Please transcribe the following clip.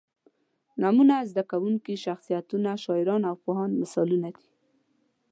نومونه، زده کوونکي، شخصیتونه، شاعران او پوهان مثالونه دي.